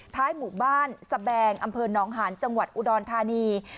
หมู่บ้านสแบงอำเภอน้องหานจังหวัดอุดรธานี